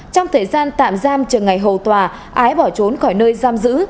trong thời gian tạm giam trường ngày hầu tòa ái bỏ trốn khỏi nơi giam giữ